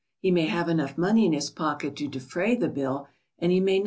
He may have enough money in his pocket to defray the bill, and he may not.